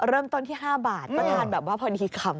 เริ่มต้นที่๕บาทต้องทานแบบพอดีคำ